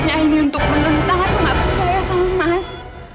bukan maksudnya ini untuk menentang atau mengatakan mas